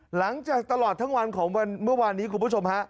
หลังจากตลอดทั้งวันของวันเมื่อวานนี้คุณผู้ชมฮะ